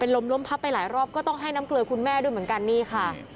ล้มพับไปหลายรอบก็ต้องให้น้ำเกลือคุณแม่ด้วยเหมือนกันนี่ค่ะ